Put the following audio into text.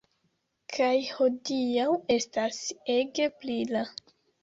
Kaj hodiaŭ estas ege brila